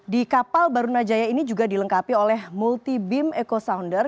di kapal barunajaya ini juga dilengkapi oleh multi beam echo sounder